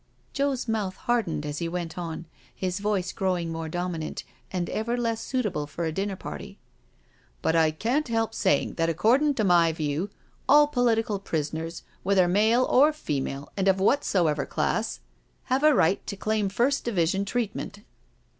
' Joe's mouth hardened as he went on, his voice THE DINNER PARTY 235 growing more dotninanty and ever less suitable for a dinner party: " But I can*t help saying that accordin' to my view, all political prisoners, whether male or female and of whatsoever class, have a right to claim first division treatment."